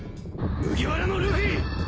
麦わらのルフィ！